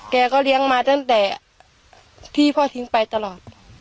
แกก็เลี้ยงมาตั้งแต่ที่พ่อทิ้งไปตลอด